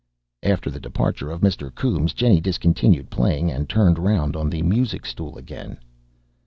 After the departure of Mr. Coombes, Jennie discontinued playing, and turned round on the music stool again.